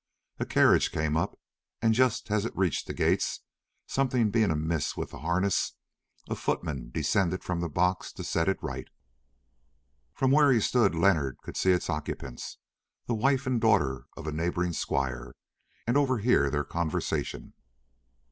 A carriage came up, and, just as it reached the gates, something being amiss with the harness, a footman descended from the box to set it right. From where he stood Leonard could see its occupants, the wife and daughter of a neighbouring squire, and overhear their conversation.